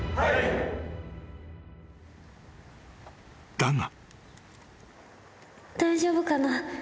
［だが］